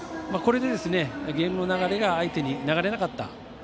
これで、ゲームの流れが相手に流れなかった。